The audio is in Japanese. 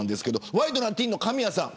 ワイドナティーンの神谷さん